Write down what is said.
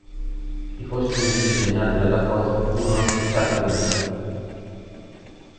I costumi, disegnati da Lacoste, furono apprezzati comunque.